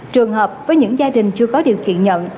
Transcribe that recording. trường hợp với những gia đình chưa có điều kiện nhận